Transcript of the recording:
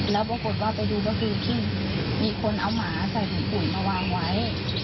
แล้วปรากฏว่าไปดูก็คือที่มีคนเอาหมาใส่ถุงปุ๋ยมาวางไว้